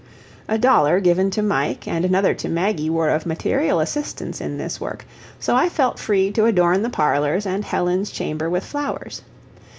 A dollar given to Mike and another to Maggie were of material assistance in this work, so I felt free to adorn the parlors and Helen's chamber with flowers.